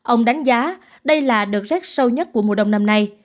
ông đánh giá đây là đợt rét sâu nhất của mùa đông năm nay